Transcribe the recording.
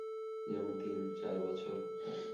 যেমন, তিন, চার বছর?